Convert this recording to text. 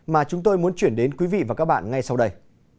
mà chúng tôi muốn chuyển đến quý vị và các bạn ngay sau đây